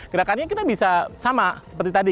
gerakannya kita bisa sama seperti tadi